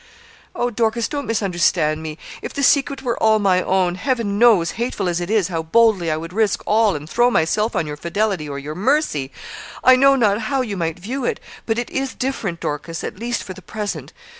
'Oh, Dorcas! don't misunderstand me. If the secret were all my own Heaven knows, hateful as it is, how boldly I would risk all, and throw myself on your fidelity or your mercy I know not how you might view it; but it is different, Dorcas, at least for the present.